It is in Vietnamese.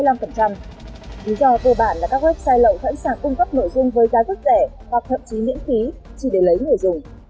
lý do tư bản là các website lậu thẳng sẵn cung cấp nội dung với giá rất rẻ hoặc thậm chí miễn phí chỉ để lấy người dùng